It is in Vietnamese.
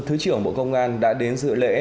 thứ trưởng bộ công an đã đến dự lễ